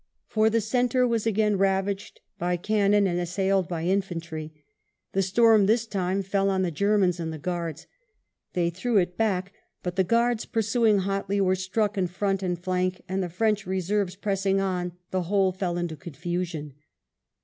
For the centre was again ravaged by can non and assailed by infantry. The storm this time fell on the Germans and the Guards ; they threw it back, but the Guards pursuing hotly were struck in front and flank, and the French reserves pressing on, the whole fell into con fusion.